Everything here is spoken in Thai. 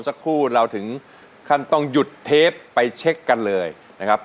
สักครู่เราถึงขั้นต้องหยุดเทปไปเช็คกันเลยนะครับ